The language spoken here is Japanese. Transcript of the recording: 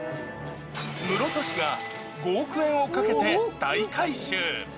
室戸市が５億円をかけて大改修。